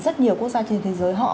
rất nhiều quốc gia trên thế giới họ